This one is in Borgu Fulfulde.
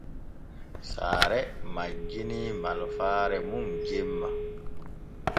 Saare majjinii malfaare mum jemma.